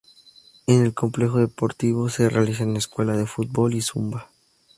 En el complejo deportivo se realizan Escuela de Fútbol y Zumba.